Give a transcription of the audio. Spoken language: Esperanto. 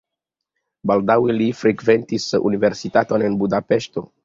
Baldaŭe li frekventis universitaton en Budapeŝto.